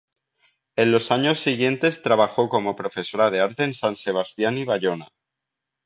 En los años siguientes trabajó como profesora de arte en San Sebastián y Bayona.